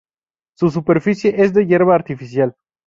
Su superficie es de hierba artificial.